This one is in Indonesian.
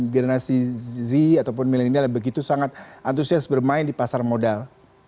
generasi z ataupun milenial yang begitu sangat antusias bermain di pasar modal